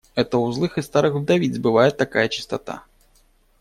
Это у злых и старых вдовиц бывает такая чистота.